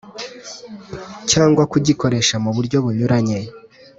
Cyangwa kugikoresha mu buryo bunyuranye